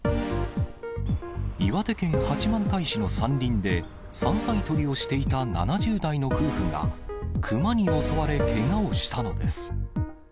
岩手県八幡平市の山林で、山菜採りをしていた７０代の夫婦が、熊に襲われけがをしたのです。